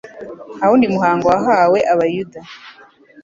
Nta wundi muhango wahawe abayuda